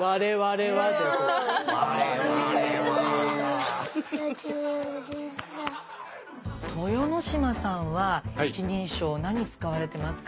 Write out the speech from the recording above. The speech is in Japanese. なんかこうね豊ノ島さんは一人称何使われてますか？